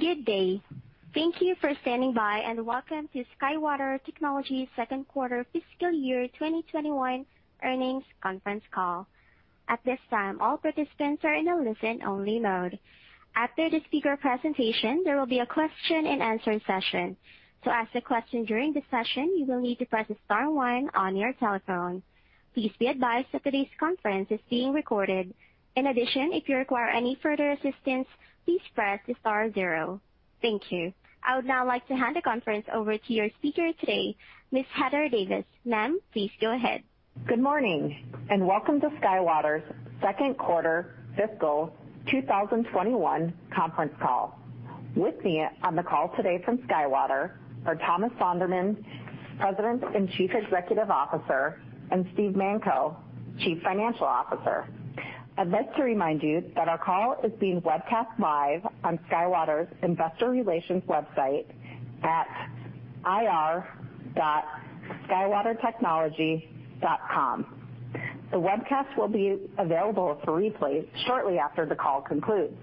Good day. Thank you for standing by, and welcome to SkyWater Technology second quarter fiscal year 2021 earnings conference call. At this time, all participants are in a listen-only mode. After the speaker presentation, there will be a question-and-answer session. To ask a question during the session, you will need to press star one on your telephone. Please be advised that today's conference is being recorded. In addition, if you require any further assistance, please press star zero. Thank you. I would now like to hand the conference over to your speaker today, Ms. Heather Davis. Ma'am, please go ahead. Good morning, welcome to SkyWater's second quarter fiscal 2021 conference call. With me on the call today from SkyWater are Thomas Sonderman, President and Chief Executive Officer, and Steve Manko, Chief Financial Officer. I'd like to remind you that our call is being webcast live on SkyWater's investor relations website at ir.skywatertechnology.com. The webcast will be available for replay shortly after the call concludes.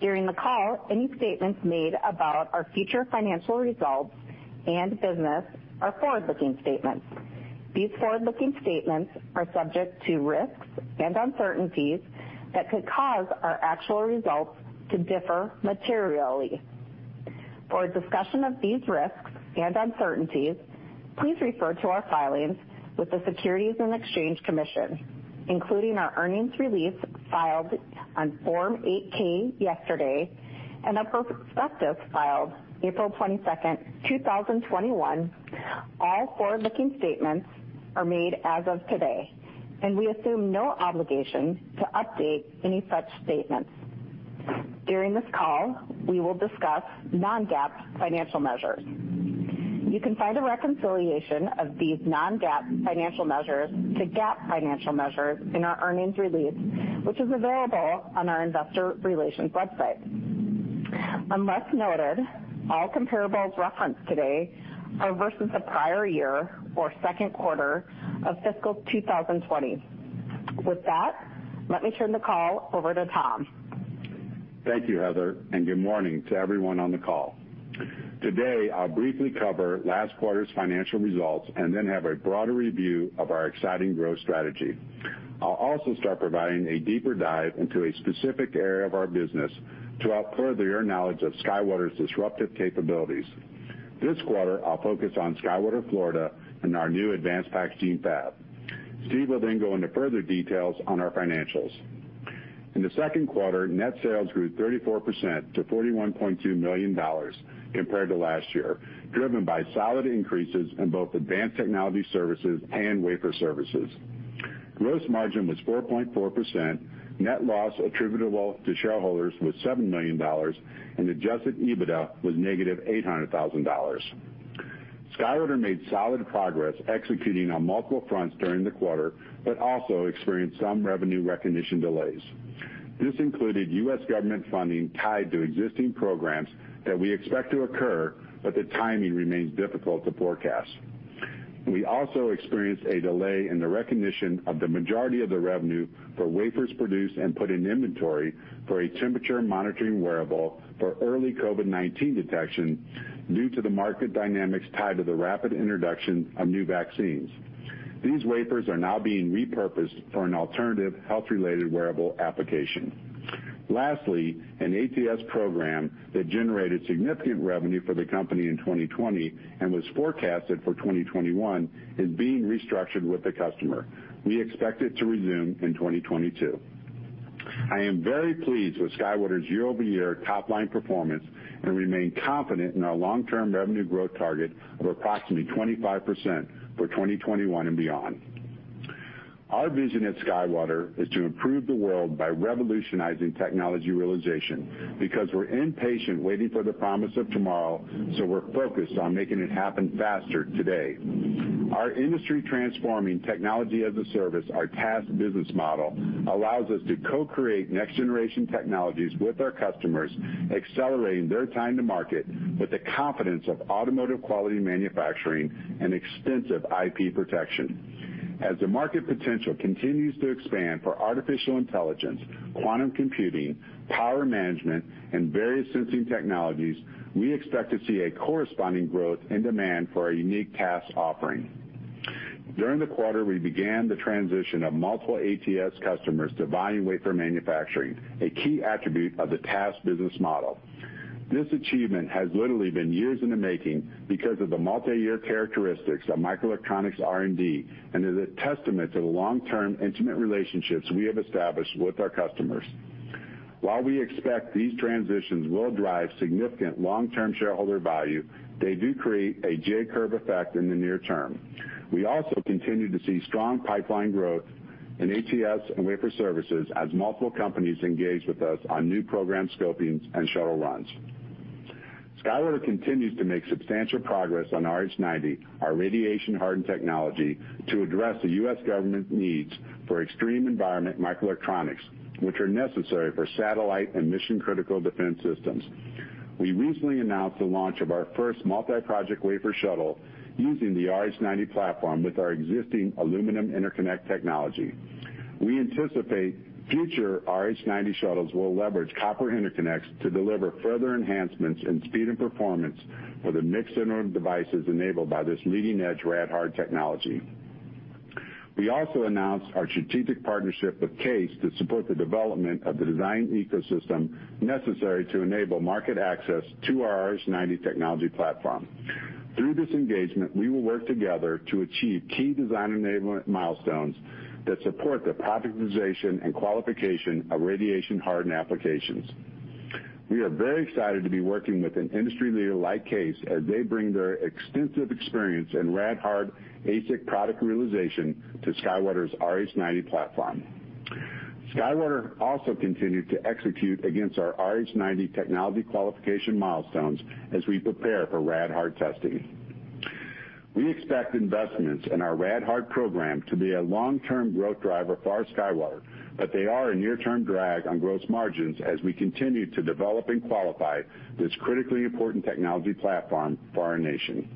During the call, any statements made about our future financial results and business are forward-looking statements. These forward-looking statements are subject to risks and uncertainties that could cause our actual results to differ materially. For a discussion of these risks and uncertainties, please refer to our filings with the Securities and Exchange Commission, including our earnings release filed on Form 8-K yesterday, and our prospectus filed April 22nd, 2021. All forward-looking statements are made as of today, and we assume no obligation to update any such statements. During this call, we will discuss non-GAAP financial measures. You can find a reconciliation of these non-GAAP financial measures to GAAP financial measures in our earnings release, which is available on our investor relations website. Unless noted, all comparables referenced today are versus the prior year or second quarter of Fiscal 2020. With that, let me turn the call over to Tom. Thank you, Heather, and good morning to everyone on the call. Today, I'll briefly cover last quarter's financial results and then have a broader review of our exciting growth strategy. I'll also start providing a deeper dive into a specific area of our business to help further your knowledge of SkyWater's disruptive capabilities. This quarter, I'll focus on SkyWater Florida and our new advanced packaging fab. Steve will then go into further details on our financials. In the second quarter, net sales grew 34% to $41.2 million compared to last year, driven by solid increases in both Advanced Technology Services and wafer services. Gross margin was 4.4%, net loss attributable to shareholders was $7 million, and adjusted EBITDA was -$800,000. SkyWater made solid progress executing on multiple fronts during the quarter, but also experienced some revenue recognition delays. This included U.S. government funding tied to existing programs that we expect to occur, but the timing remains difficult to forecast. We also experienced a delay in the recognition of the majority of the revenue for wafers produced and put in inventory for a temperature monitoring wearable for early COVID-19 detection due to the market dynamics tied to the rapid introduction of new vaccines. These wafers are now being repurposed for an alternative health-related wearable application. Lastly, an ATS program that generated significant revenue for the company in 2020 and was forecasted for 2021 is being restructured with the customer. We expect it to resume in 2022. I am very pleased with SkyWater's year-over-year top-line performance and remain confident in our long-term revenue growth target of approximately 25% for 2021 and beyond. Our vision at SkyWater is to improve the world by revolutionizing technology realization because we're impatient waiting for the promise of tomorrow. We're focused on making it happen faster today. Our industry-transforming Technology-as-a-Service, our TaaS business model, allows us to co-create next-generation technologies with our customers, accelerating their time to market with the confidence of automotive-quality manufacturing and extensive IP protection. As the market potential continues to expand for artificial intelligence, quantum computing, power management, and various sensing technologies, we expect to see a corresponding growth and demand for our unique TaaS offering. During the quarter, we began the transition of multiple ATS customers to volume wafer manufacturing, a key attribute of the TaaS business model. This achievement has literally been years in the making because of the multi-year characteristics of microelectronics R&D and is a testament to the long-term intimate relationships we have established with our customers. While we expect these transitions will drive significant long-term shareholder value, they do create a J-curve effect in the near term. We also continue to see strong pipeline growth in ATS and wafer services as multiple companies engage with us on new program scopings and shuttle runs. SkyWater continues to make substantial progress on RH90, our radiation-hardened technology, to address the U.S. government needs for extreme environment microelectronics, which are necessary for satellite and mission-critical defense systems. We recently announced the launch of our first multi-project wafer shuttle using the RH90 platform with our existing aluminum interconnect technology. We anticipate future RH90 shuttles will leverage copper interconnects to deliver further enhancements in speed and performance for the mixed-signal devices enabled by this leading-edge RadHard technology. We also announced our strategic partnership with CAES to support the development of the design ecosystem necessary to enable market access to our RH90 technology platform. Through this engagement, we will work together to achieve key design enablement milestones that support the productization and qualification of radiation-hardened applications. We are very excited to be working with an industry leader like CAES as they bring their extensive experience in RadHard ASIC product realization to SkyWater's RH90 platform. SkyWater also continued to execute against our RH90 technology qualification milestones as we prepare for RadHard testing. We expect investments in our RadHard program to be a long-term growth driver for SkyWater, but they are a near-term drag on gross margins as we continue to develop and qualify this critically important technology platform for our nation.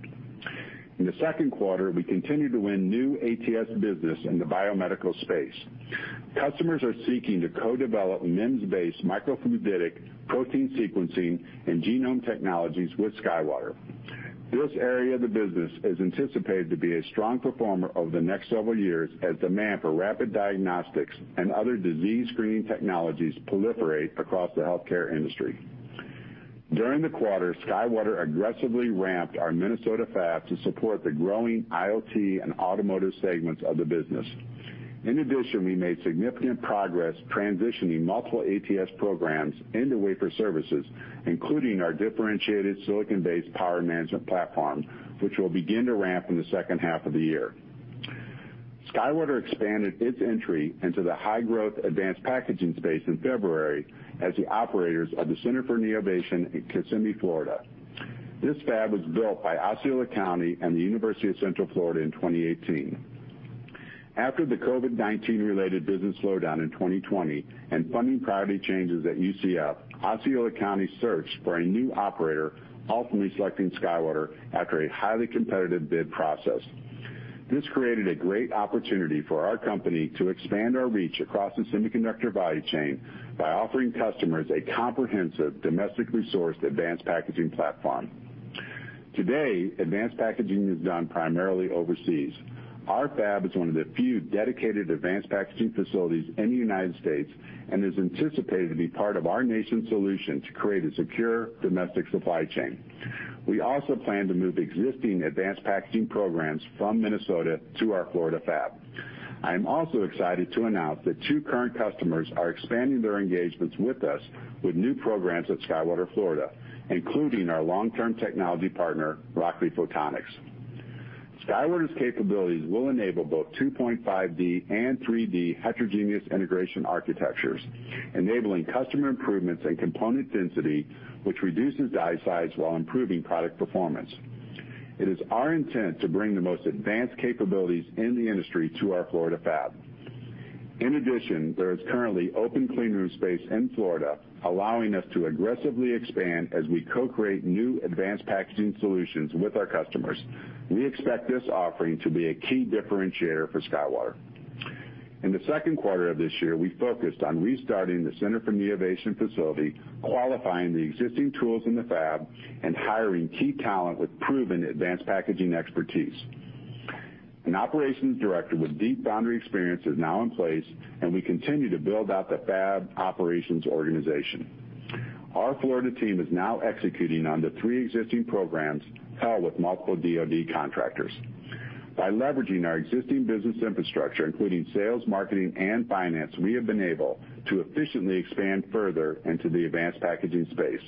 In the second quarter, we continued to win new ATS business in the biomedical space. Customers are seeking to co-develop MEMS-based microfluidic protein sequencing and genome technologies with SkyWater. This area of the business is anticipated to be a strong performer over the next several years as demand for rapid diagnostics and other disease screening technologies proliferate across the healthcare industry. During the quarter, SkyWater aggressively ramped our Minnesota fab to support the growing IoT and automotive segments of the business. In addition, we made significant progress transitioning multiple ATS programs into wafer services, including our differentiated silicon-based power management platform, which will begin to ramp in the second half of the year. SkyWater expanded its entry into the high-growth advanced packaging space in February as the operators of the Center for Neovation in Kissimmee, Florida. This fab was built by Osceola County and the University of Central Florida in 2018. After the COVID-19-related business slowdown in 2020 and funding priority changes at UCF, Osceola County searched for a new operator, ultimately selecting SkyWater after a highly competitive bid process. This created a great opportunity for our company to expand our reach across the semiconductor value chain by offering customers a comprehensive domestic resourced advanced packaging platform. Today, advanced packaging is done primarily overseas. Our fab is one of the few dedicated advanced packaging facilities in the United States and is anticipated to be part of our nation's solution to create a secure domestic supply chain. We also plan to move existing advanced packaging programs from Minnesota to our Florida fab. I am also excited to announce that two current customers are expanding their engagements with us with new programs at SkyWater Florida, including our long-term technology partner, Rockley Photonics. SkyWater's capabilities will enable both 2.5D and 3D heterogeneous integration architectures, enabling customer improvements in component density, which reduces die size while improving product performance. It is our intent to bring the most advanced capabilities in the industry to our Florida fab. In addition, there is currently open clean room space in Florida, allowing us to aggressively expand as we co-create new advanced packaging solutions with our customers. We expect this offering to be a key differentiator for SkyWater. In the second quarter of this year, we focused on restarting the Center for Neovation facility, qualifying the existing tools in the fab, and hiring key talent with proven advanced packaging expertise. An operations director with deep foundry experience is now in place, and we continue to build out the fab operations organization. Our Florida team is now executing on the three existing programs held with multiple DOD contractors. By leveraging our existing business infrastructure, including sales, marketing, and finance, we have been able to efficiently expand further into the advanced packaging space.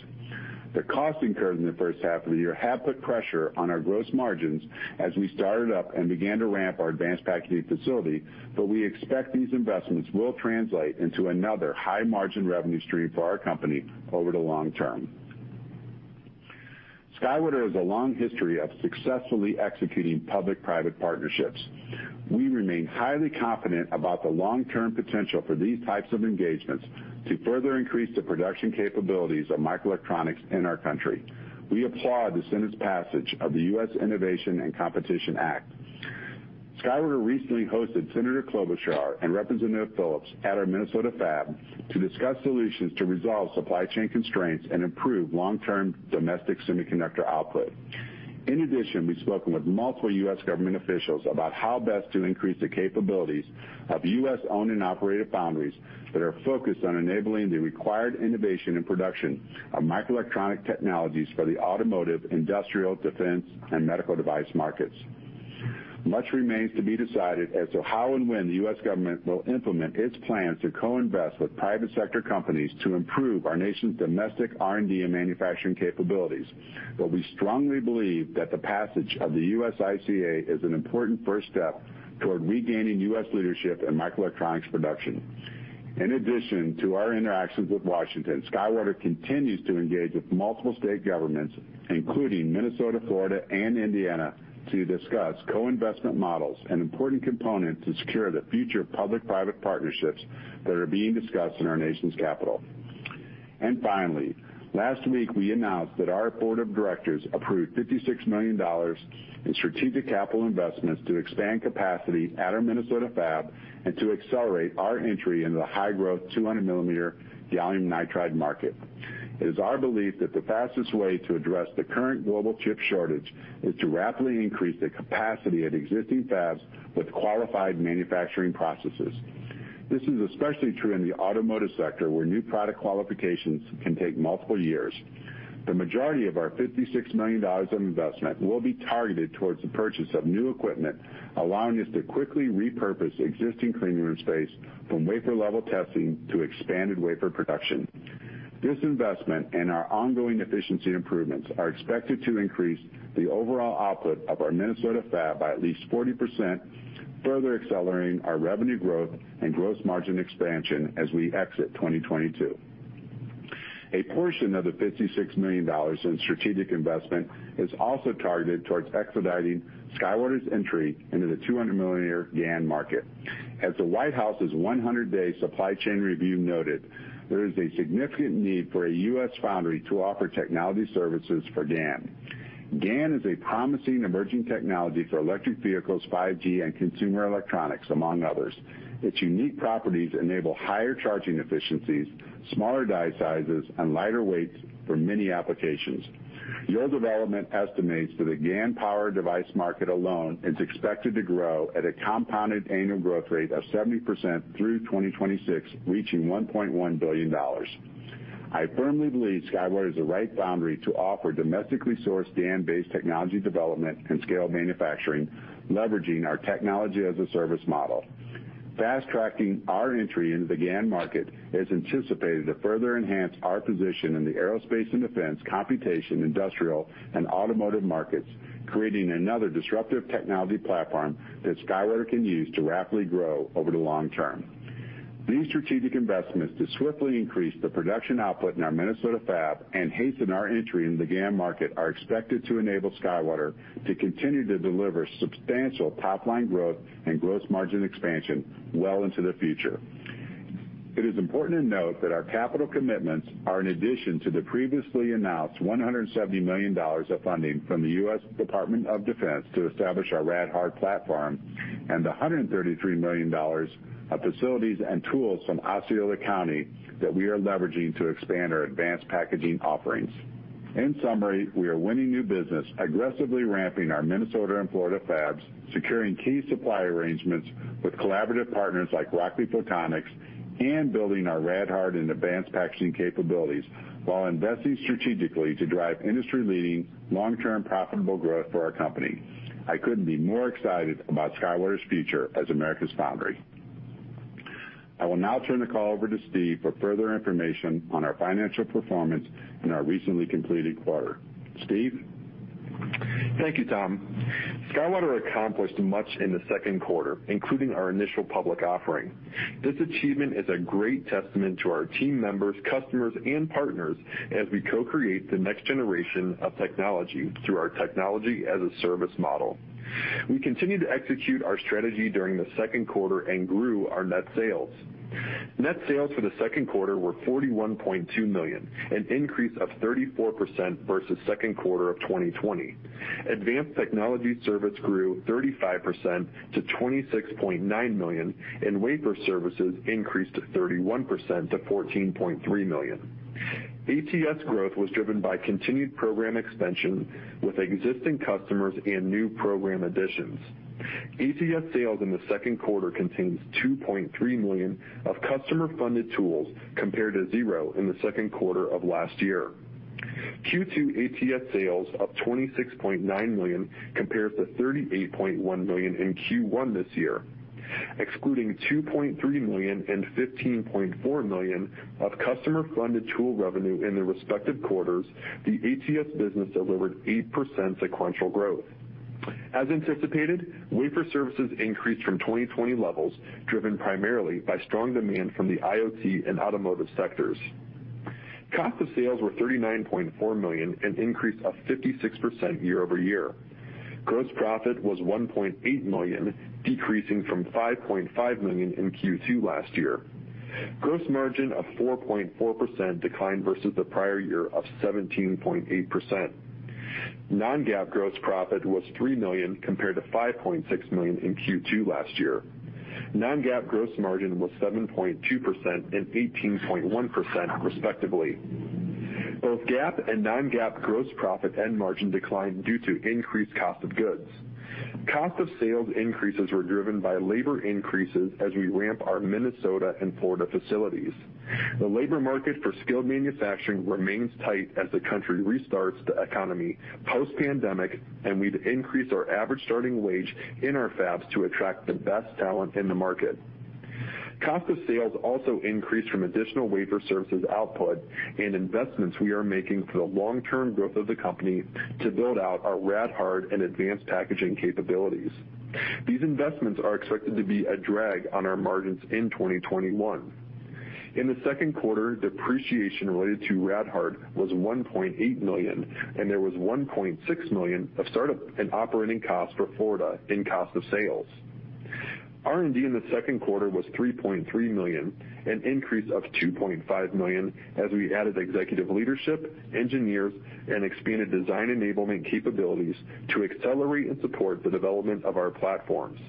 The costs incurred in the first half of the year have put pressure on our gross margins as we started up and began to ramp our advanced packaging facility, but we expect these investments will translate into another high-margin revenue stream for our company over the long-term. SkyWater has a long history of successfully executing public-private partnerships. We remain highly confident about the long-term potential for these types of engagements to further increase the production capabilities of microelectronics in our country. We applaud the Senate's passage of the U.S. Innovation and Competition Act. SkyWater recently hosted Senator Klobuchar and Representative Phillips at our Minnesota fab to discuss solutions to resolve supply chain constraints and improve long-term domestic semiconductor output. In addition, we've spoken with multiple U.S. government officials about how best to increase the capabilities of U.S.-owned and operated foundries that are focused on enabling the required innovation and production of microelectronic technologies for the automotive, industrial, defense, and medical device markets. Much remains to be decided as to how and when the U.S. government will implement its plans to co-invest with private sector companies to improve our nation's domestic R&D and manufacturing capabilities. We strongly believe that the passage of the USICA is an important first step toward regaining U.S. leadership in microelectronics production. In addition to our interactions with Washington, SkyWater continues to engage with multiple state governments, including Minnesota, Florida, and Indiana, to discuss co-investment models, an important component to secure the future of public-private partnerships that are being discussed in our nation's capital. Finally, last week we announced that our Board of Directors approved $56 million in strategic capital investments to expand capacity at our Minnesota fab, and to accelerate our entry into the high-growth 200 mm gallium nitride market. It is our belief that the fastest way to address the current global chip shortage is to rapidly increase the capacity at existing fabs with qualified manufacturing processes. This is especially true in the automotive sector, where new product qualifications can take multiple years. The majority of our $56 million of investment will be targeted towards the purchase of new equipment, allowing us to quickly repurpose existing clean room space from wafer level testing to expanded wafer production. This investment and our ongoing efficiency improvements are expected to increase the overall output of our Minnesota fab by at least 40%, further accelerating our revenue growth and gross margin expansion as we exit 2022. A portion of the $56 million in strategic investment is also targeted towards expediting SkyWater's entry into the 200 mm GaN market. As the White House's 100-day supply chain review noted, there is a significant need for a U.S. foundry to offer technology services for GaN. GaN is a promising emerging technology for electric vehicles, 5G, and consumer electronics, among others. Its unique properties enable higher charging efficiencies, smaller die sizes, and lighter weights for many applications. Yole Développement estimates that the GaN power device market alone is expected to grow at a compounded annual growth rate of 70% through 2026, reaching $1.1 billion. I firmly believe SkyWater is the right foundry to offer domestically sourced GaN-based technology development and scale manufacturing, leveraging our Technology-as-a-Service model. Fast-tracking our entry into the GaN market is anticipated to further enhance our position in the aerospace and defense, computation, industrial, and automotive markets, creating another disruptive technology platform that SkyWater can use to rapidly grow over the long term. These strategic investments to swiftly increase the production output in our Minnesota fab and hasten our entry in the GaN market are expected to enable SkyWater to continue to deliver substantial top-line growth and gross margin expansion well into the future. It is important to note that our capital commitments are in addition to the previously announced $170 million of funding from the U.S. Department of Defense to establish our RadHard platform and the $133 million of facilities and tools from Osceola County that we are leveraging to expand our advanced packaging offerings. In summary, we are winning new business, aggressively ramping our Minnesota and Florida fabs, securing key supply arrangements with collaborative partners like Rockley Photonics, and building our RadHard and advanced packaging capabilities while investing strategically to drive industry-leading, long-term profitable growth for our company. I couldn't be more excited about SkyWater's future as America's foundry. I will now turn the call over to Steve for further information on our financial performance in our recently completed quarter. Steve? Thank you, Tom. SkyWater accomplished much in the second quarter, including our initial public offering. This achievement is a great testament to our team members, customers, and partners as we co-create the next generation of technology through our Technology-as-a-Service model. We continued to execute our strategy during the second quarter and grew our net sales. Net sales for the second quarter were $41.2 million, an increase of 34% versus second quarter of 2020. Advanced Technology Services grew 35% to $26.9 million, and wafer services increased 31% to $14.3 million. ATS growth was driven by continued program expansion with existing customers and new program additions. ATS sales in the second quarter contains $2.3 million of customer-funded tools, compared to 0 in the second quarter of last year. Q2 ATS sales of $26.9 million compares to $38.1 million in Q1 this year. Excluding $2.3 million and $15.4 million of customer-funded tool revenue in their respective quarters, the ATS business delivered 8% sequential growth. As anticipated, wafer services increased from 2020 levels, driven primarily by strong demand from the IoT and automotive sectors. Cost of sales were $39.4 million, an increase of 56% year-over-year. Gross profit was $1.8 million, decreasing from $5.5 million in Q2 last year. Gross margin of 4.4% declined versus the prior year of 17.8%. Non-GAAP gross profit was $3 million compared to $5.6 million in Q2 last year. Non-GAAP gross margin was 7.2% and 18.1%, respectively. Both GAAP and non-GAAP gross profit and margin declined due to increased cost of goods. Cost of sales increases were driven by labor increases as we ramp our Minnesota and Florida facilities. The labor market for skilled manufacturing remains tight as the country restarts the economy post-pandemic, and we've increased our average starting wage in our fabs to attract the best talent in the market. Cost of sales also increased from additional wafer services output and investments we are making for the long-term growth of the company to build out our RadHard and advanced packaging capabilities. These investments are expected to be a drag on our margins in 2021. In the second quarter, depreciation related to RadHard was $1.8 million, and there was $1.6 million of startup and operating costs for Florida in cost of sales. R&D in the second quarter was $3.3 million, an increase of $2.5 million as we added executive leadership, engineers, and expanded design enablement capabilities to accelerate and support the development of our platforms.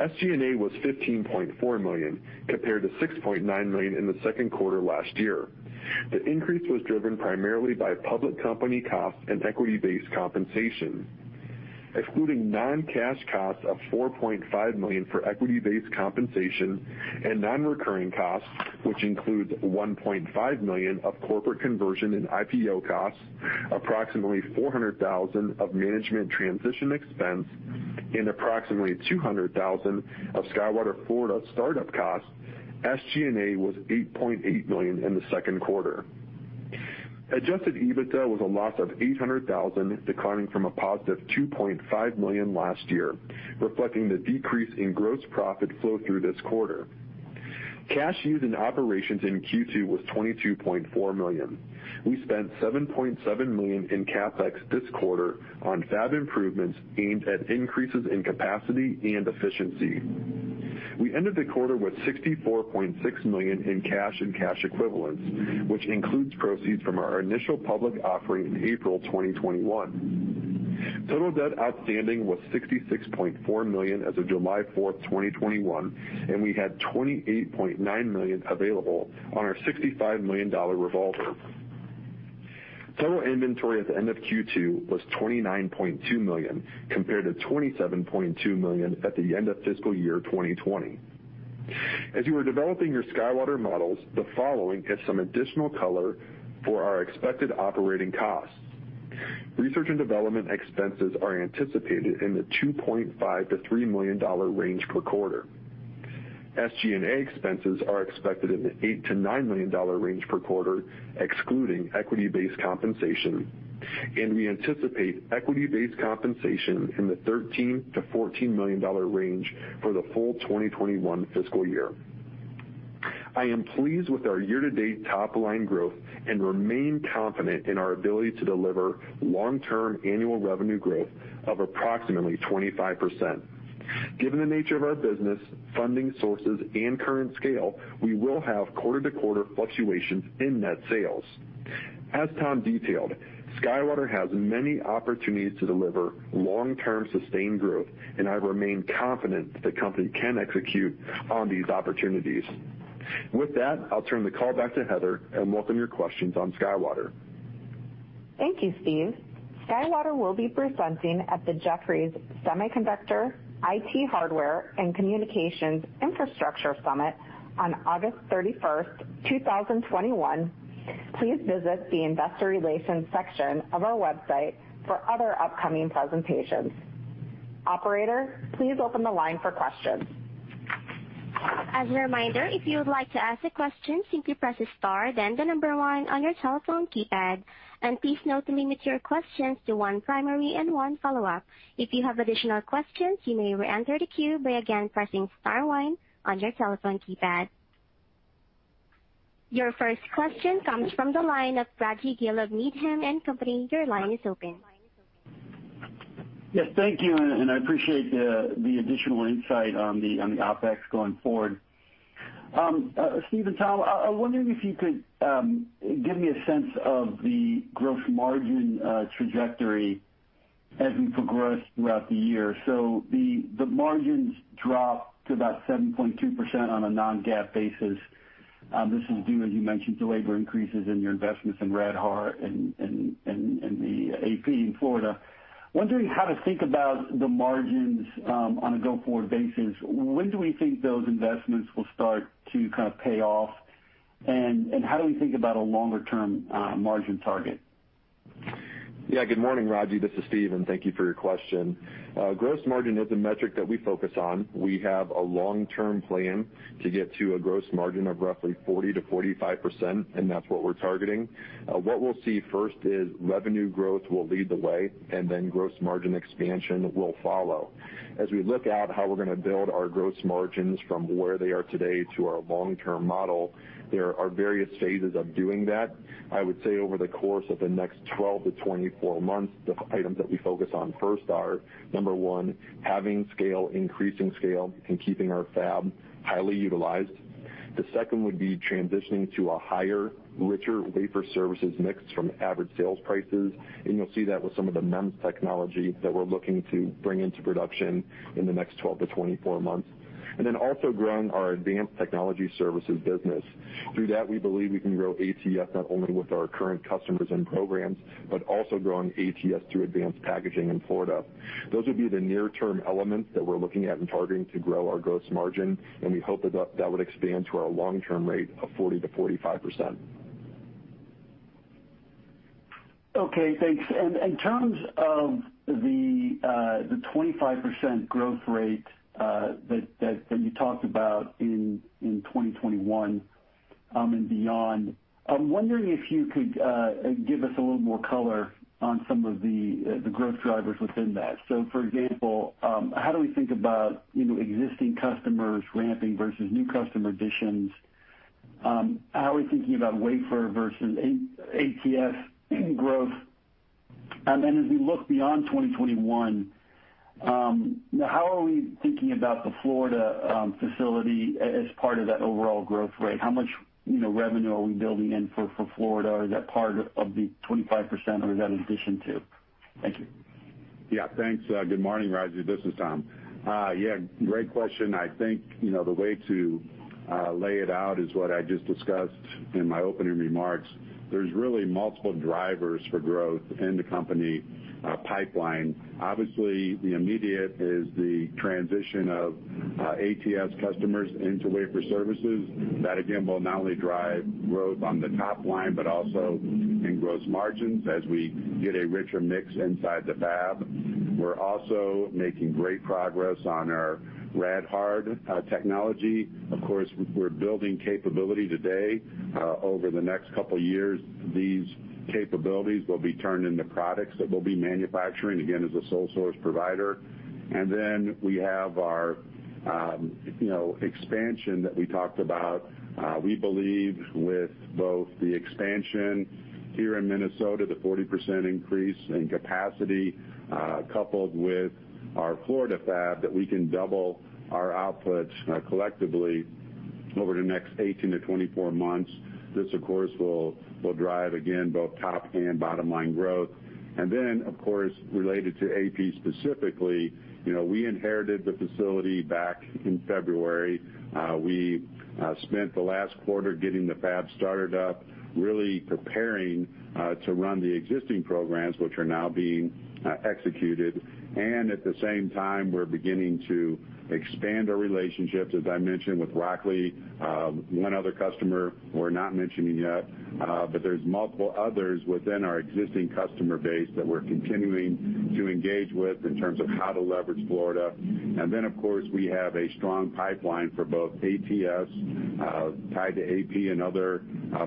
SG&A was $15.4 million compared to $6.9 million in the second quarter last year. The increase was driven primarily by public company costs and equity-based compensation. Excluding non-cash costs of $4.5 million for equity-based compensation and non-recurring costs, which includes $1.5 million of corporate conversion and IPO costs, approximately $400,000 of management transition expense, and approximately $200,000 of SkyWater Florida startup costs, SG&A was $8.8 million in the second quarter. Adjusted EBITDA was a loss of $800,000, declining from a positive $2.5 million last year, reflecting the decrease in gross profit flow through this quarter. Cash used in operations in Q2 was $22.4 million. We spent $7.7 million in CapEx this quarter on fab improvements aimed at increases in capacity and efficiency. We ended the quarter with $64.6 million in cash and cash equivalents, which includes proceeds from our initial public offering in April 2021. Total debt outstanding was $66.4 million as of July 4th, 2021, and we had $28.9 million available on our $65 million revolver. Total inventory at the end of Q2 was $29.2 million compared to $27.2 million at the end of fiscal year 2020. As you are developing your SkyWater models, the following is some additional color for our expected operating costs. Research and development expenses are anticipated in the $2.5 million-$3 million range per quarter. SG&A expenses are expected in the $8 million-$9 million range per quarter, excluding equity-based compensation. We anticipate equity-based compensation in the $13 million-$14 million range for the full 2021 fiscal year. I am pleased with our year-to-date top-line growth and remain confident in our ability to deliver long-term annual revenue growth of approximately 25%. Given the nature of our business, funding sources, and current scale, we will have quarter-to-quarter fluctuations in net sales. As Tom detailed, SkyWater has many opportunities to deliver long-term sustained growth, and I remain confident the company can execute on these opportunities. With that, I'll turn the call back to Heather and welcome your questions on SkyWater. Thank you, Steve. SkyWater will be presenting at the Jefferies Semiconductor, IT Hardware and Communications Infrastructure Summit on August 31st, 2021. Please visit the investor relations section of our website for other upcoming presentations. Operator, please open the line for questions. As a reminder, if you would like to ask a question, simply press star then the number one on your telephone keypad, and please note to limit your questions to one primary and 1 follow-up. If you have additional questions, you may reenter the queue by again pressing star one on your telephone keypad. Your first question comes from the line of Raji Gill of Needham & Company. Your line is open. Yes, thank you, and I appreciate the additional insight on the OpEx going forward. Steve and Tom, I was wondering if you could give me a sense of the gross margin trajectory as we progress throughout the year. The margins dropped to about 7.2% on a non-GAAP basis. This is due, as you mentioned, to labor increases in your investments in RadHard and the AP in Florida. I was wondering how to think about the margins on a go-forward basis. When do we think those investments will start to kind of pay off? How do we think about a longer-term margin target? Good morning, Raji. This is Steve, and thank you for your question. Gross margin is a metric that we focus on. We have a long-term plan to get to a gross margin of roughly 40%-45%, and that's what we're targeting. What we'll see first is revenue growth will lead the way, and then gross margin expansion will follow. As we look at how we're going to build our gross margins from where they are today to our long-term model, there are various phases of doing that. I would say over the course of the next 12-24 months, the items that we focus on first are, number one, having scale, increasing scale, and keeping our fab highly utilized. The second would be transitioning to a higher, richer wafer services mix from average sales prices, and you'll see that with some of the MEMS technology that we're looking to bring into production in the next 12-24 months. Also growing our Advanced Technology Services business. Through that, we believe we can grow ATS not only with our current customers and programs, but also growing ATS through advanced packaging in Florida. Those would be the near-term elements that we're looking at and targeting to grow our gross margin, and we hope that would expand to our long-term rate of 40%-45%. Okay, thanks. In terms of the 25% growth rate that you talked about in 2021 and beyond, I'm wondering if you could give us a little more color on some of the growth drivers within that. For example, how do we think about existing customers ramping versus new customer additions? How are we thinking about wafer versus ATS growth? As we look beyond 2021, how are we thinking about the Florida facility as part of that overall growth rate? How much revenue are we building in for Florida? Is that part of the 25%, or is that in addition to? Thank you. Yeah, thanks. Good morning, Raji, this is Tom. Yeah, great question. I think the way to lay it out is what I just discussed in my opening remarks. There's really multiple drivers for growth in the company pipeline. Obviously, the immediate is the transition of ATS customers into wafer services. That again, will not only drive growth on the top line, but also in gross margins as we get a richer mix inside the fab. We're also making great progress on our RadHard technology. Of course, we're building capability today. Over the next couple of years, these capabilities will be turned into products that we'll be manufacturing, again, as a sole source provider. Then we have our expansion that we talked about. We believe with both the expansion here in Minnesota, the 40% increase in capacity, coupled with our Florida fab, that we can double our outputs collectively over the next 18-24 months. This, of course, will drive, again, both top and bottom line growth. Then, of course, related to AP specifically, we inherited the facility back in February. We spent the last quarter getting the fab started up, really preparing to run the existing programs, which are now being executed. At the same time, we're beginning to expand our relationships, as I mentioned, with Rockley, one other customer we're not mentioning yet. There's multiple others within our existing customer base that we're continuing to engage with in terms of how to leverage Florida. Then, of course, we have a strong pipeline for both ATS tied to AP and other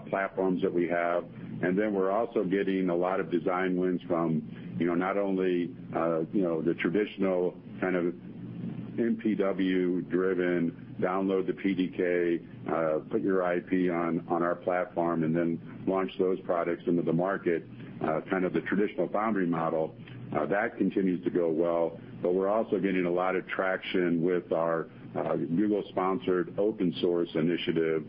platforms that we have. We're also getting a lot of design wins from not only the traditional kind of MPW-driven, download the PDK, put your IP on our platform, and then launch those products into the market, kind of the traditional foundry model. That continues to go well. We're also getting a lot of traction with our Google-sponsored open source initiative.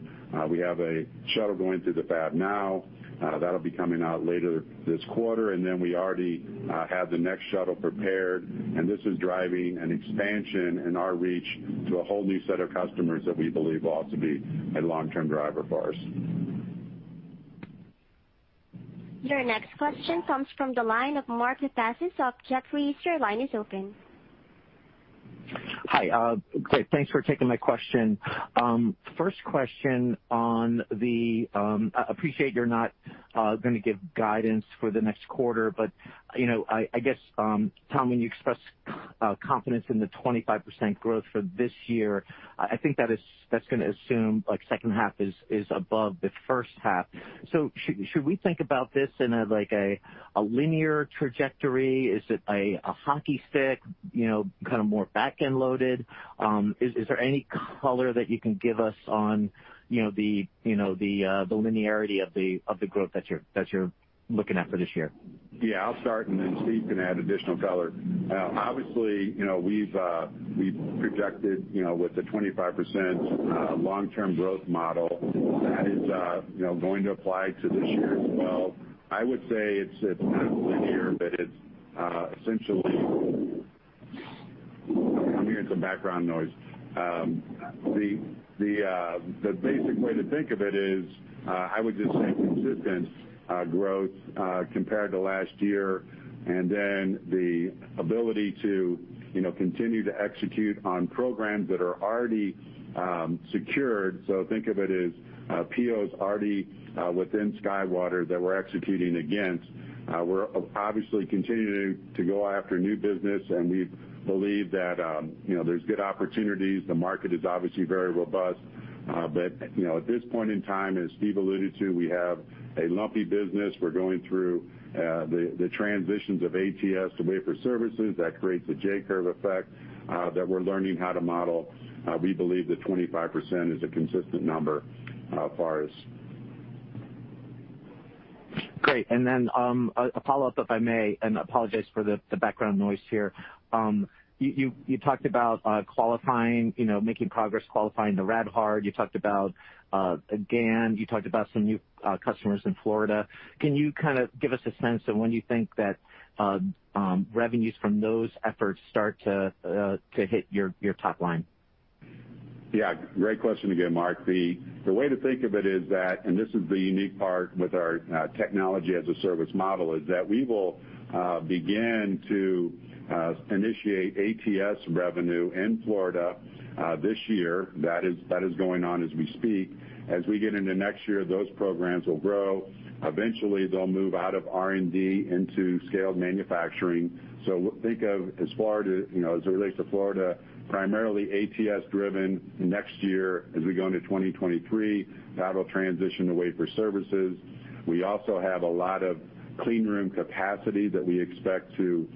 We have a shuttle going through the fab now. That'll be coming out later this quarter, and then we already have the next shuttle prepared. This is driving an expansion in our reach to a whole new set of customers that we believe will also be a long-term driver for us. Your next question comes from the line of Mark Lipacis of Jefferies. Your line is open. Hi, great. Thanks for taking my question. I appreciate you're not going to give guidance for the next quarter. I guess, Tom, when you expressed confidence in the 25% growth for this year, I think that's going to assume second half is above the first half. Should we think about this in a linear trajectory? Is it a hockey stick, kind of more back-end loaded? Is there any color that you can give us on the linearity of the growth that you're looking at for this year? Yeah, I'll start, and then Steve can add additional color. Obviously, we've projected with the 25% long-term growth model. That is going to apply to this year as well. I would say it's not linear, but it's essentially. I'm hearing some background noise. The basic way to think of it is, I would just say consistent growth compared to last year, and then the ability to continue to execute on programs that are already secured. Think of it as POs already within SkyWater that we're executing against. We're obviously continuing to go after new business, and we believe that there's good opportunities. The market is obviously very robust. At this point in time, as Steve alluded to, we have a lumpy business. We're going through the transitions of ATS to wafer services. That creates a J-curve effect that we're learning how to model. We believe that 25% is a consistent number as far as. Great. Then a follow-up, if I may, and apologize for the background noise here. You talked about making progress qualifying the RadHard. You talked about a GaN. You talked about some new customers in Florida. Can you kind of give us a sense of when you think that revenues from those efforts start to hit your top line? Yeah, great question again, Mark. The way to think of it is that, and this is the unique part with our Technology-as-a-Service model, is that we will begin to initiate ATS revenue in Florida this year. That is going on as we speak. As we get into next year, those programs will grow. Eventually, they'll move out of R&D into scaled manufacturing. Think of as it relates to Florida, primarily ATS-driven next year as we go into 2023. That'll transition to wafer services. We also have a lot of clean room capacity that we expect to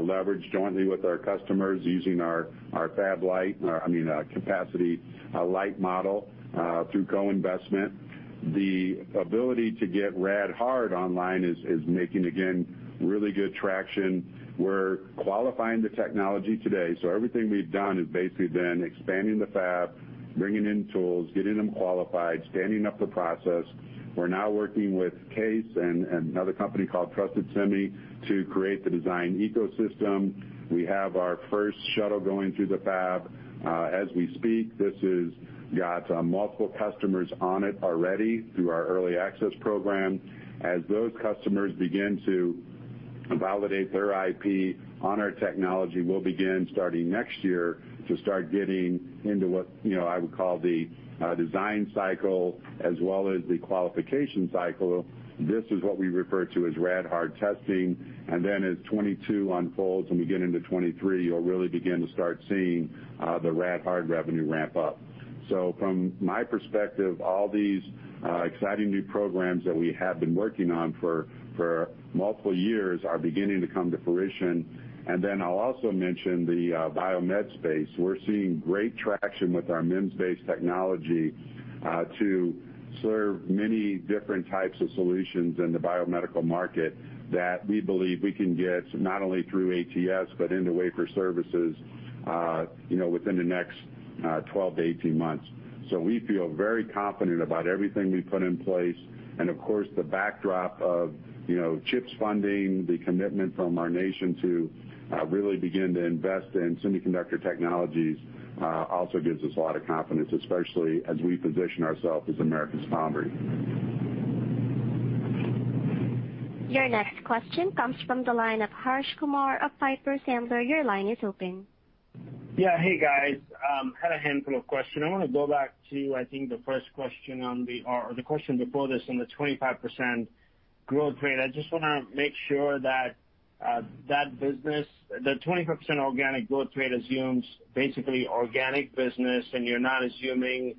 leverage jointly with our customers using our I mean, capacity light model through co-investment. The ability to get RadHard online is making, again, really good traction. We're qualifying the technology today. Everything we've done has basically been expanding the fab, bringing in tools, getting them qualified, standing up the process. We're now working with CAES and another company called Trusted Semi to create the design ecosystem. We have our first shuttle going through the fab as we speak. This has got multiple customers on it already through our early access program. As those customers begin to validate their IP on our technology will begin starting next year to start getting into what I would call the design cycle as well as the qualification cycle. This is what we refer to as RadHard testing. Then as 2022 unfolds and we get into 2023, you'll really begin to start seeing the RadHard revenue ramp up. From my perspective, all these exciting new programs that we have been working on for multiple years are beginning to come to fruition. Then I'll also mention the biomed space. We're seeing great traction with our MEMS-based technology to serve many different types of solutions in the biomedical market that we believe we can get, not only through ATS, but into wafer services within the next 12-18 months. So we feel very confident about everything we've put in place, and of course, the backdrop of CHIPS funding, the commitment from our nation to really begin to invest in semiconductor technologies also gives us a lot of confidence, especially as we position ourselves as America's foundry. Your next question comes from the line of Harsh Kumar of Piper Sandler. Your line is open. Yeah. Hey, guys. Had a handful of questions. I want to go back to, I think the first question or the question before this on the 25% growth rate. I just want to make sure that that business, the 25% organic growth rate assumes basically organic business and you're not assuming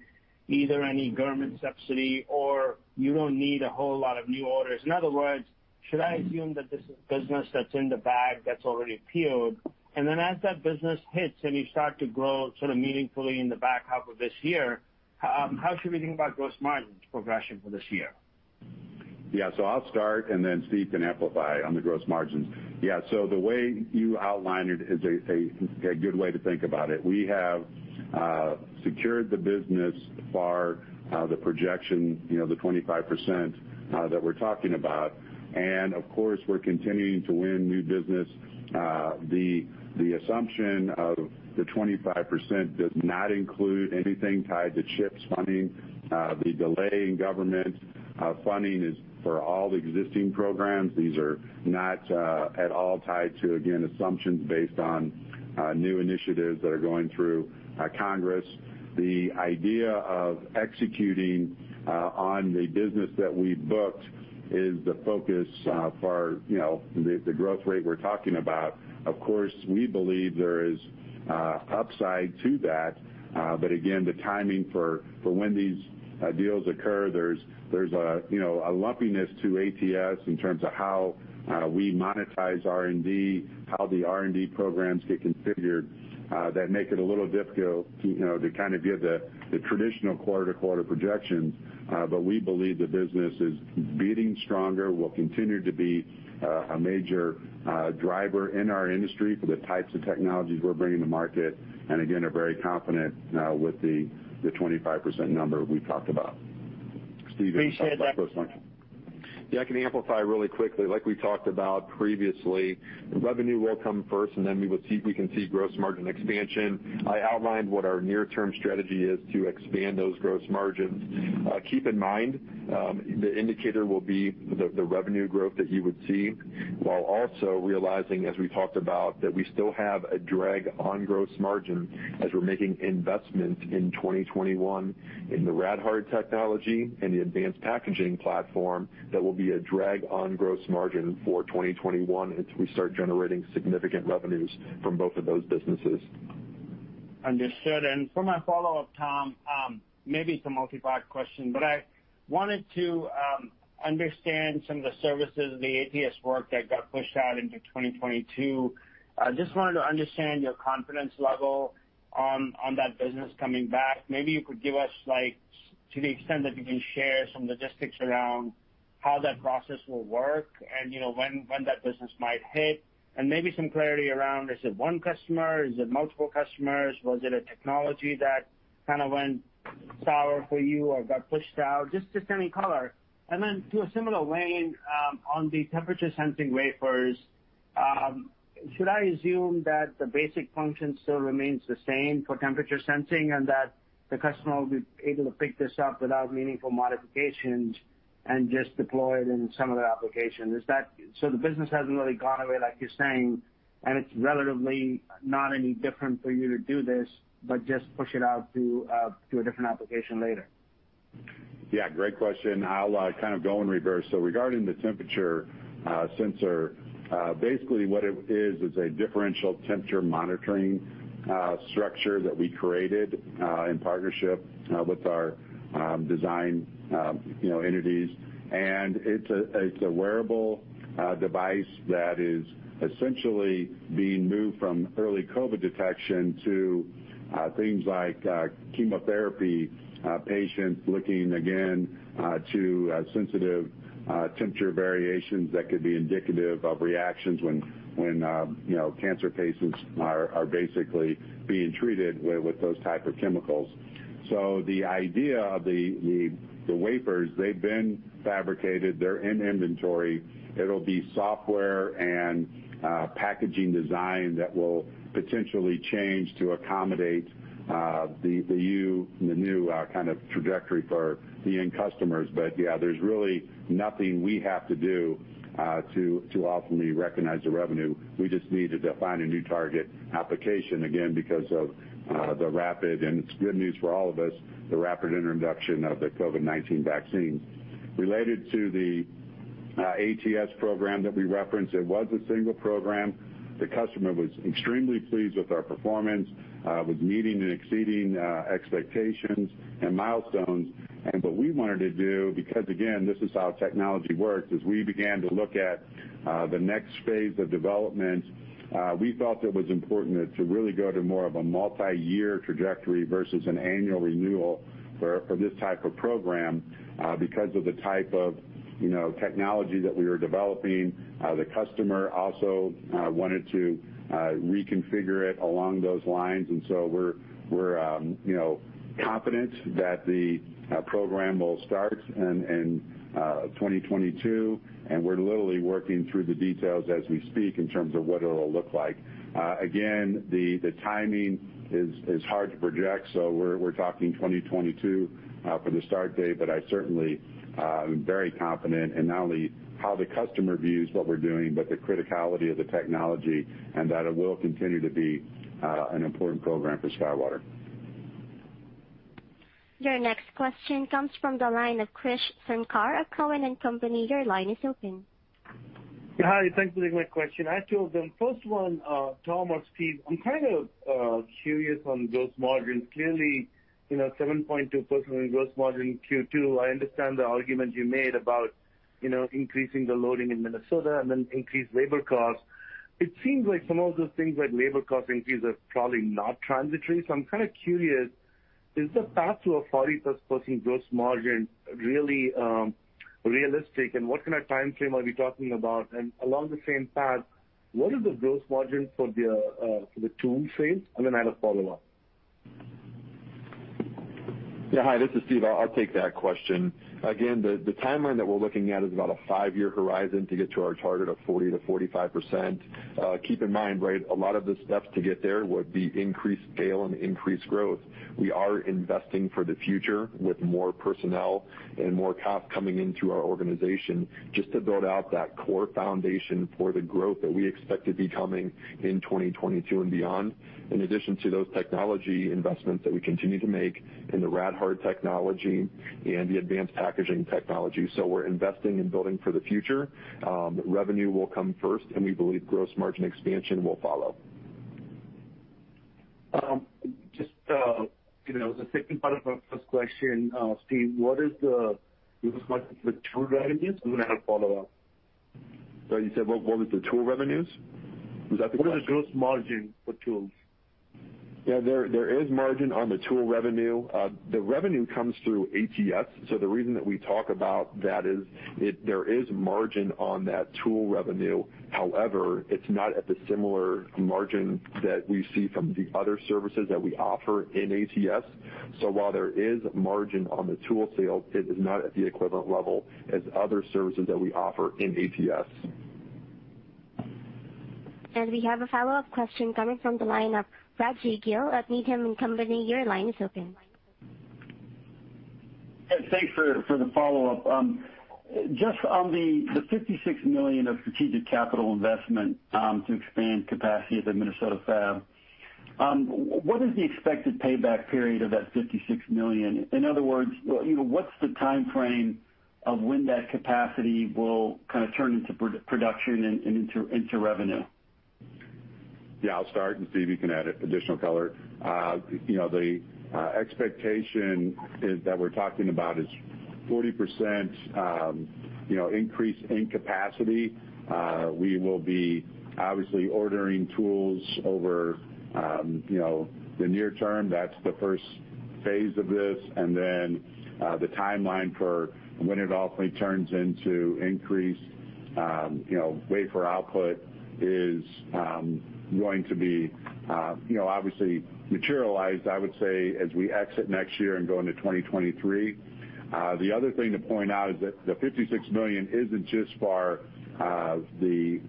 either any government subsidy or you don't need a whole lot of new orders. In other words, should I assume that this is business that's in the bag that's already peeled? As that business hits and you start to grow sort of meaningfully in the back half of this year, how should we think about gross margin progression for this year? I'll start and then Steve can amplify on the gross margins. The way you outlined it is a good way to think about it. We have secured the business for the projection, the 25% that we're talking about. Of course, we're continuing to win new business. The assumption of the 25% does not include anything tied to CHIPS funding. The delay in government funding is for all existing programs. These are not at all tied to, again, assumptions based on new initiatives that are going through Congress. The idea of executing on the business that we booked is the focus for the growth rate we're talking about. Of course, we believe there is upside to that. Again, the timing for when these deals occur, there's a lumpiness to ATS in terms of how we monetize R&D, how the R&D programs get configured, that make it a little difficult to give the traditional quarter-to-quarter projections. We believe the business is beating stronger, will continue to be a major driver in our industry for the types of technologies we're bringing to market, and again, are very confident with the 25% number we talked about. Steve, you can talk about gross margin. Appreciate that. Yeah, I can amplify really quickly. Like we talked about previously, revenue will come first, and then we can see gross margin expansion. I outlined what our near-term strategy is to expand those gross margins. Keep in mind, the indicator will be the revenue growth that you would see, while also realizing, as we talked about, that we still have a drag on gross margin as we're making investment in 2021 in the RadHard technology and the advanced packaging platform that will be a drag on gross margin for 2021 until we start generating significant revenues from both of those businesses. Understood. For my follow-up, Tom, maybe it's a multi-part question, but I wanted to understand some of the services, the ATS work that got pushed out into 2022. I just wanted to understand your confidence level on that business coming back. Maybe you could give us, to the extent that you can share some logistics around how that process will work and when that business might hit, and maybe some clarity around, is it one customer? Is it multiple customers? Was it a technology that kind of went sour for you or got pushed out? Just any color. Then to a similar vein, on the temperature sensing wafers, should I assume that the basic function still remains the same for temperature sensing and that the customer will be able to pick this up without meaningful modifications and just deploy it in some other application? The business hasn't really gone away, like you're saying, and it's relatively not any different for you to do this, but just push it out to a different application later. Yeah, great question. I'll kind of go in reverse. Regarding the temperature sensor, basically what it is a differential temperature monitoring structure that we created in partnership with our design entities. It's a wearable device that is essentially being moved from early COVID detection to things like chemotherapy patients looking, again, to sensitive temperature variations that could be indicative of reactions when cancer patients are basically being treated with those type of chemicals. The idea of the wafers, they've been fabricated. They're in inventory. It'll be software and Packaging design that will potentially change to accommodate the new kind of trajectory for the end customers. Yeah, there's really nothing we have to do to ultimately recognize the revenue. We just need to define a new target application, again, because of the rapid, and it's good news for all of us, the rapid introduction of the COVID-19 vaccines. Related to the ATS program that we referenced, it was a single program. The customer was extremely pleased with our performance, with meeting and exceeding expectations and milestones. What we wanted to do, because, again, this is how technology works, as we began to look at the next phase of development, we felt it was important to really go to more of a multi-year trajectory versus an annual renewal for this type of program, because of the type of technology that we were developing. The customer also wanted to reconfigure it along those lines, and so we're confident that the program will start in 2022, and we're literally working through the details as we speak in terms of what it'll look like. Again, the timing is hard to project, so we're talking 2022 for the start date, but I certainly am very confident in not only how the customer views what we're doing, but the criticality of the technology, and that it will continue to be an important program for SkyWater. Your next question comes from the line of Krish Sankar of Cowen and Company, your line is open. Hi, thanks for taking my question. I have two of them. First one, Tom or Steve, I'm kind of curious on gross margins. Clearly, 7.2% gross margin in Q2. I understand the argument you made about increasing the loading in Minnesota and then increased labor costs. It seems like some of those things, like labor cost increase, are probably not transitory. I'm kind of curious, is the path to a 40+% gross margin really realistic, and what kind of timeframe are we talking about? Along the same path, what is the gross margin for the tool sales? I have a follow-up. Yeah. Hi, this is Steve. I'll take that question. The timeline that we're looking at is about a five-year horizon to get to our target of 40%-45%. Keep in mind, right, a lot of the steps to get there would be increased scale and increased growth. We are investing for the future with more personnel and more CapEx coming into our organization just to build out that core foundation for the growth that we expect to be coming in 2022 and beyond. In addition to those technology investments that we continue to make in the RadHard technology and the advanced packaging technology. We're investing in building for the future. Revenue will come first, and we believe gross margin expansion will follow. Just the second part of my first question, Steve, what is the gross margin for tool revenues? I have a follow-up. Sorry, you said what is the tool revenues? Was that the question? What is the gross margin for tools? Yeah, there is margin on the tool revenue. The revenue comes through ATS. The reason that we talk about that is there is margin on that tool revenue. However, it's not at the similar margin that we see from the other services that we offer in ATS. While there is margin on the tool sale, it is not at the equivalent level as other services that we offer in ATS. We have a follow-up question coming from the line of Raji Gill at Needham & Company, your line is open. Yes, thanks for the follow-up. Just on the $56 million of strategic capital investment to expand capacity at the Minnesota fab, what is the expected payback period of that $56 million? In other words, what's the timeframe of when that capacity will kind of turn into production and into revenue? Yeah, I'll start, and Steve, you can add additional color. The expectation that we're talking about is 40% increase in capacity. We will be obviously ordering tools over the near-term. That's the first phase of this, and then the timeline for when it ultimately turns into increased wafer output is going to be obviously materialized, I would say, as we exit next year and go into 2023. The other thing to point out is that the $56 million isn't just for the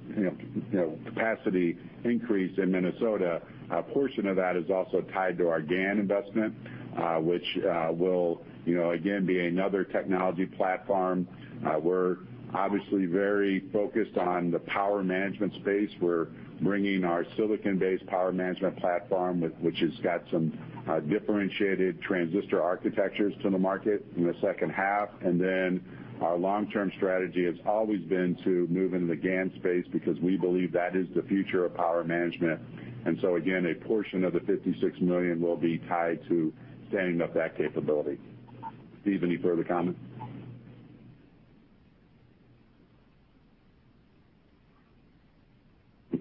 capacity increase in Minnesota. A portion of that is also tied to our GaN investment, which will again be another technology platform. We're obviously very focused on the power management space. We're bringing our silicon-based power management platform, which has got some differentiated transistor architectures to the market in the second half. Our long-term strategy has always been to move into the GaN space because we believe that is the future of power management. Again, a portion of the $56 million will be tied to standing up that capability. Steve, any further comment? Okay.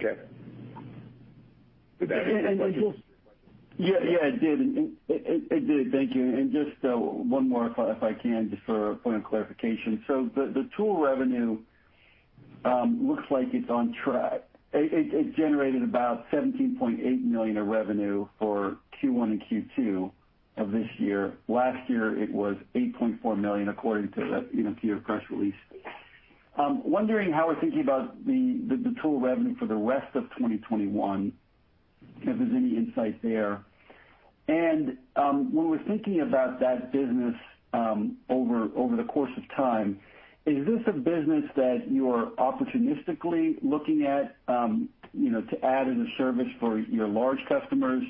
Yeah, it did. Thank you. Just one more if I can, just for a point of clarification. The tool revenue looks like it's on track. It generated about $17.8 million of revenue for Q1 and Q2 of this year. Last year it was $8.4 million, according to the Form 8-K press release. I'm wondering how we're thinking about the tool revenue for the rest of 2021, if there's any insight there. When we're thinking about that business over the course of time, is this a business that you're opportunistically looking at to add as a service for your large customers?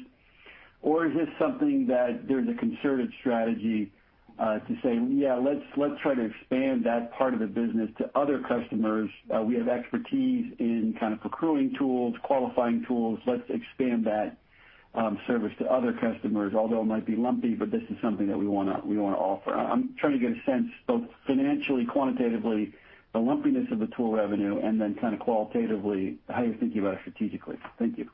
Is this something that there's a concerted strategy to say, Yeah, let's try to expand that part of the business to other customers. We have expertise in kind of procuring tools, qualifying tools. Let's expand that service to other customers, although it might be lumpy, but this is something that we want to offer. I'm trying to get a sense, both financially, quantitatively, the lumpiness of the tool revenue, and then kind of qualitatively, how you're thinking about it strategically. Thank you.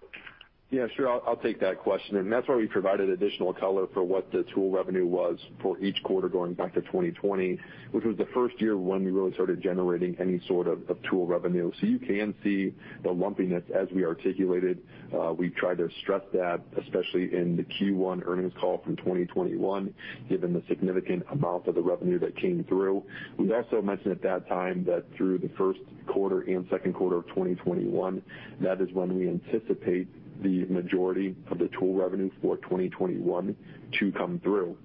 Yeah, sure. I'll take that question. That's why we provided additional color for what the tool revenue was for each quarter going back to 2020, which was the first year when we really started generating any sort of tool revenue. You can see the lumpiness as we articulated. We tried to stress that, especially in the Q1 earnings call from 2021, given the significant amount of the revenue that came through. We've also mentioned at that time that through the first quarter and second quarter of 2021, that is when we anticipate the majority of the tool revenue for 2021 to come through.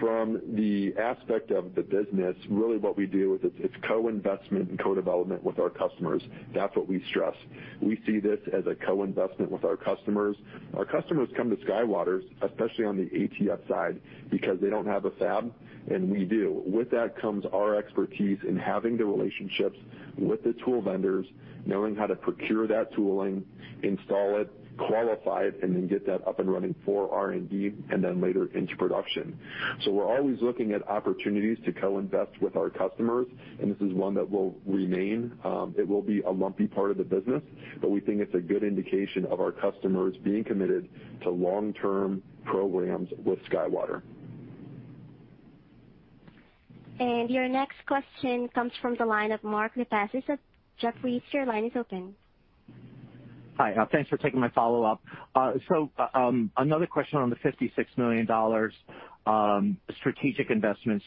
From the aspect of the business, really what we do is it's co-investment and co-development with our customers. That's what we stress. We see this as a co-investment with our customers. Our customers come to SkyWater, especially on the ATS side, because they don't have a fab, we do. With that comes our expertise in having the relationships with the tool vendors, knowing how to procure that tooling, install it, qualify it, and then get that up and running for R&D, and then later into production. We're always looking at opportunities to co-invest with our customers, and this is one that will remain. It will be a lumpy part of the business, but we think it's a good indication of our customers being committed to long-term programs with SkyWater. Your next question comes from the line of Mark Lipacis. Jefferies, your line is open. Hi. Thanks for taking my follow-up. Another question on the $56 million strategic investment.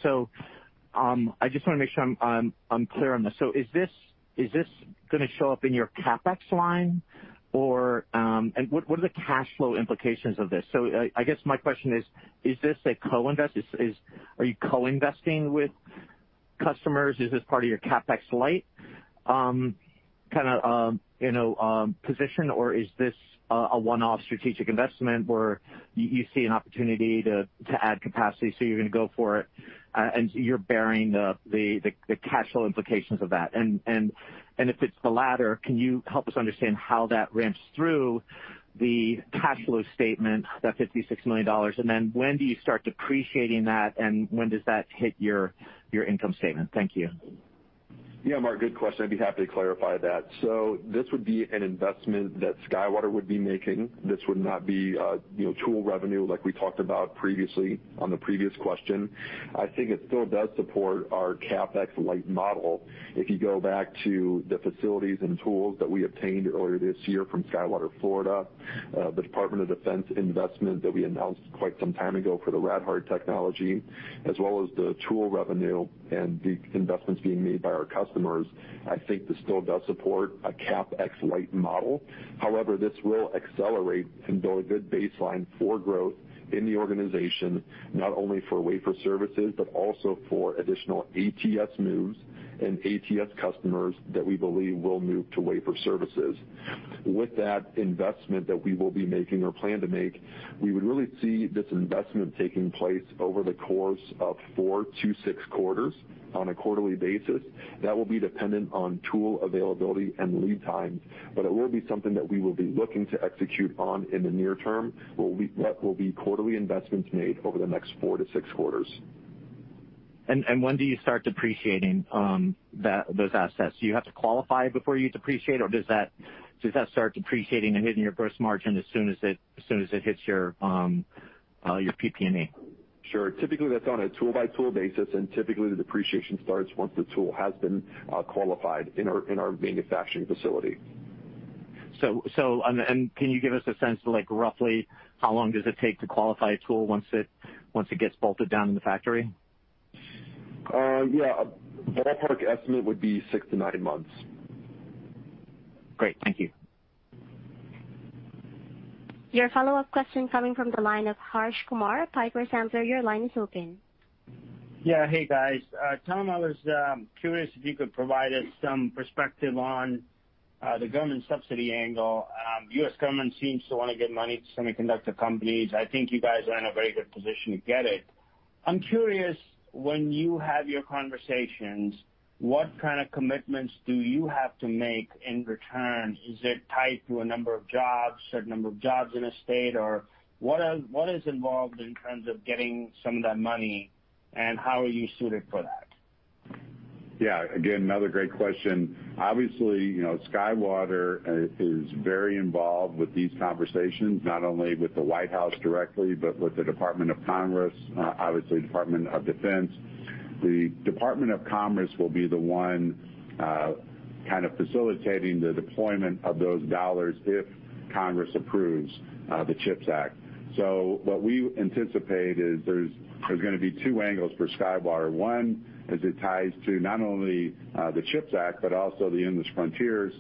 I just want to make sure I'm clear on this. Is this going to show up in your CapEx line, and what are the cash flow implications of this? I guess my question is, are you co-investing with customers? Is this part of your CapEx light kind of position, or is this a one-off strategic investment where you see an opportunity to add capacity, so you're going to go for it, and you're bearing the cash flow implications of that? If it's the latter, can you help us understand how that ramps through the cash flow statement, that $56 million, and then when do you start depreciating that, and when does that hit your income statement? Thank you. Yeah, Mark, good question. I'd be happy to clarify that. This would be an investment that SkyWater would be making. This would not be tool revenue like we talked about previously on the previous question. I think it still does support our CapEx light model. If you go back to the facilities and tools that we obtained earlier this year from SkyWater Florida, the Department of Defense investment that we announced quite some time ago for the RadHard technology, as well as the tool revenue and the investments being made by our customers, I think this still does support a CapEx light model. This will accelerate and build a good baseline for growth in the organization, not only for wafer services, but also for additional ATS moves and ATS customers that we believe will move to wafer services. With that investment that we will be making or plan to make, we would really see this investment taking place over the course of 4-6 quarters on a quarterly basis. That will be dependent on tool availability and lead times, but it will be something that we will be looking to execute on in the near-term. That will be quarterly investments made over the next 4-6 quarters. When do you start depreciating those assets? Do you have to qualify before you depreciate, or does that start depreciating and hitting your gross margin as soon as it hits your PP&E? Sure. Typically, that's on a tool-by-tool basis, and typically the depreciation starts once the tool has been qualified in our manufacturing facility. Can you give us a sense of roughly how long does it take to qualify a tool once it gets bolted down in the factory? Yeah. Ballpark estimate would be six to nine months. Great. Thank you. Your follow-up question coming from the line of Harsh Kumar, Piper Sandler, your line is open. Yeah. Hey, guys. Tom, I was curious if you could provide us some perspective on the government subsidy angle. U.S. government seems to want to give money to semiconductor companies. I think you guys are in a very good position to get it. I'm curious, when you have your conversations, what kind of commitments do you have to make in return? Is it tied to a number of jobs, certain number of jobs in a state, or what is involved in terms of getting some of that money, and how are you suited for that? Yeah. Again, another great question. Obviously, SkyWater is very involved with these conversations, not only with the White House directly, but with the Department of Commerce, obviously Department of Defense. The Department of Commerce will be the one Kind of facilitating the deployment of those dollars if Congress approves the CHIPS Act. What we anticipate is there's going to be two angles for SkyWater. One, as it ties to not only the CHIPS Act, but also the Endless Frontier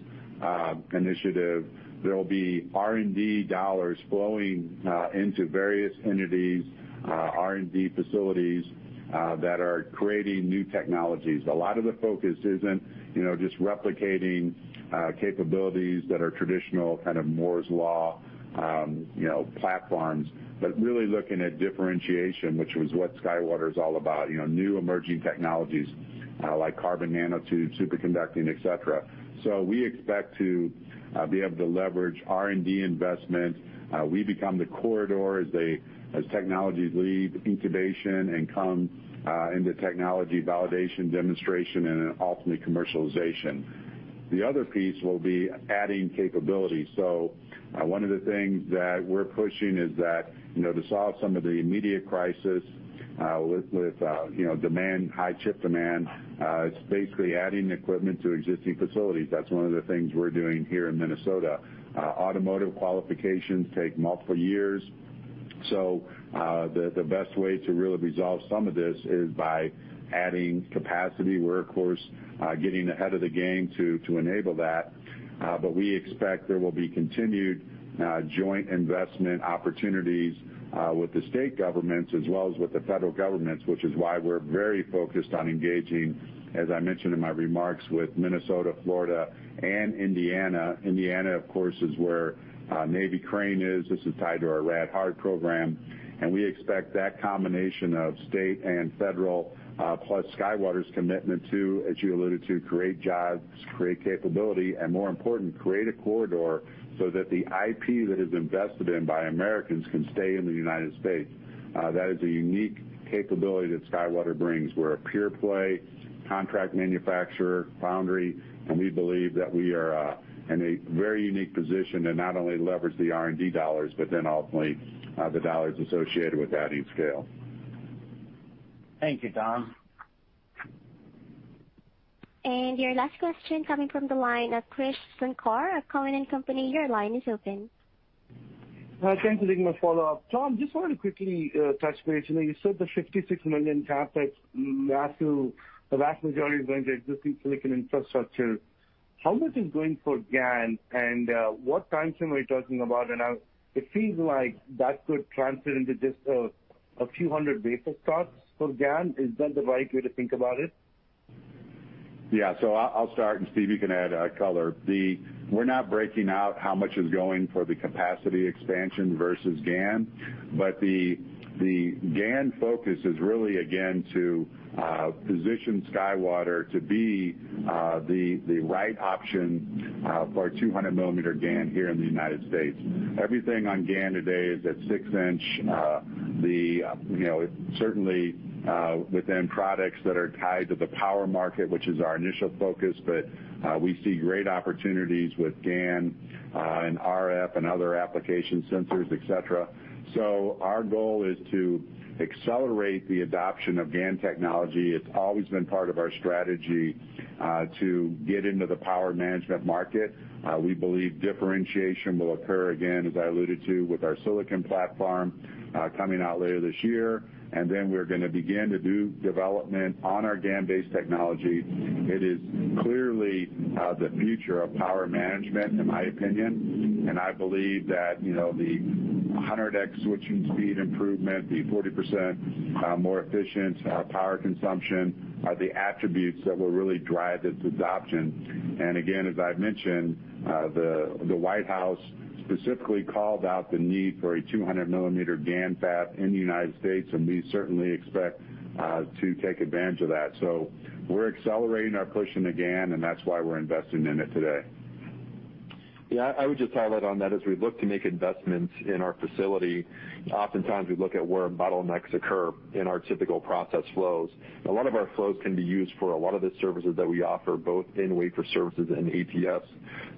Initiative. There'll be R&D dollars flowing into various entities, R&D facilities that are creating new technologies. A lot of the focus isn't just replicating capabilities that are traditional kind of Moore's Law platforms, but really looking at differentiation, which was what SkyWater's all about. New emerging technologies like carbon nanotubes, superconducting, et cetera. We expect to be able to leverage R&D investment. We become the corridor as technologies leave incubation and come into technology validation, demonstration, and then ultimately commercialization. The other piece will be adding capability. One of the things that we're pushing is that to solve some of the immediate crisis with high chip demand, it's basically adding equipment to existing facilities. That's one of the things we're doing here in Minnesota. Automotive qualifications take multiple years. The best way to really resolve some of this is by adding capacity. We're, of course, getting ahead of the game to enable that. We expect there will be continued joint investment opportunities with the state governments as well as with the federal governments, which is why we're very focused on engaging, as I mentioned in my remarks, with Minnesota, Florida, and Indiana. Indiana, of course, is where Navy Crane is. This is tied to our RadHard program. We expect that combination of state and federal, plus SkyWater's commitment to, as you alluded to, create jobs, create capability, and more important, create a corridor so that the IP that is invested in by Americans can stay in the United States. That is a unique capability that SkyWater brings. We're a pure play contract manufacturer foundry. We believe that we are in a very unique position to not only leverage the R&D dollars, but then ultimately the dollars associated with adding scale. Thank you, Tom. Your last question coming from the line of Krish Sankar of Cowen and Company. Your line is open. Thanks. This is my follow-up. Tom, just wanted to quickly touch base. You said the $56 million CapEx, the vast majority is going to existing silicon infrastructure. How much is going for GaN, and what timeframe are we talking about? It seems like that could transfer into just a few hundred basis points for GaN. Is that the right way to think about it? Yeah. I'll start, and Steve, you can add color. We're not breaking out how much is going for the capacity expansion versus GaN. The GaN focus is really, again, to position SkyWater to be the right option for a 200-millimeter GaN here in the U.S. Everything on GaN today is at 6-inch. Certainly, within products that are tied to the power market, which is our initial focus. We see great opportunities with GaN, and RF, and other application sensors, et cetera. Our goal is to accelerate the adoption of GaN technology. It's always been part of our strategy to get into the power management market. We believe differentiation will occur again, as I alluded to, with our silicon platform coming out later this year. We're going to begin to do development on our GaN-based technology. It is clearly the future of power management, in my opinion. I believe that the 100X switching speed improvement, the 40% more efficient power consumption are the attributes that will really drive this adoption. Again, as I've mentioned, the White House specifically called out the need for a 200 mm GaN fab in the United States, and we certainly expect to take advantage of that. We're accelerating our push into GaN, and that's why we're investing in it today. I would just highlight on that as we look to make investments in our facility, oftentimes we look at where bottlenecks occur in our typical process flows. A lot of our flows can be used for a lot of the services that we offer, both in wafer services and ATS.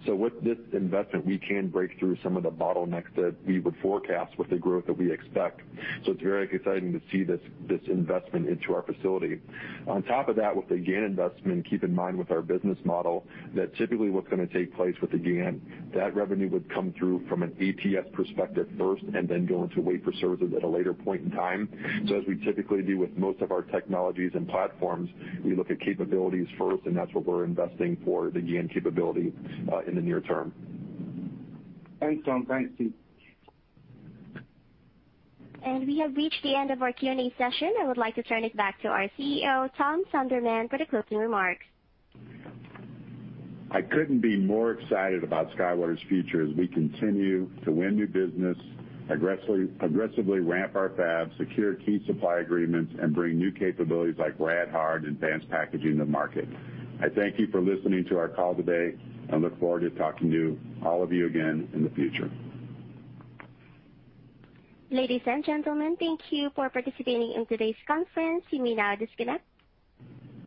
With this investment, we can break through some of the bottlenecks that we would forecast with the growth that we expect. It's very exciting to see this investment into our facility. On top of that, with the GaN investment, keep in mind with our business model that typically what's going to take place with the GaN, that revenue would come through from an ATS perspective first and then go into wafer services at a later point in time. As we typically do with most of our technologies and platforms, we look at capabilities first, and that's what we're investing for the GaN capability in the near-term. Thanks, Tom. Thanks, Steve. We have reached the end of our Q&A session. I would like to turn it back to our CEO, Tom Sonderman, for the closing remarks. I couldn't be more excited about SkyWater's future as we continue to win new business, aggressively ramp our fabs, secure key supply agreements, and bring new capabilities like RadHard advanced packaging to market. I thank you for listening to our call today and look forward to talking to all of you again in the future. Ladies and gentlemen, thank you for participating in today's conference. You may now disconnect.